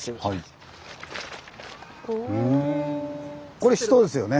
これ人ですよね？